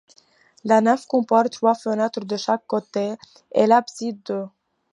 La nef comporte trois fenêtres de chaque côté, et l'abside deux.